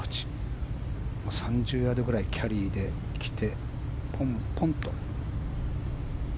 ３０ヤードくらいキャリーで来てポンポンと。